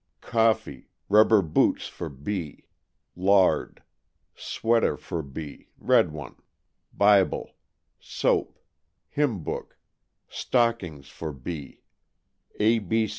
Coffee Rubber boots for B Lard Sweter for B. red one Bibel Sope Hymn Book Stokings for B A.